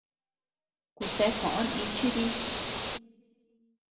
Kuta koʼo nichi dii.